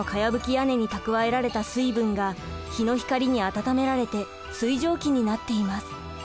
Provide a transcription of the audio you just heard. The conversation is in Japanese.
屋根に蓄えられた水分が日の光に温められて水蒸気になっています。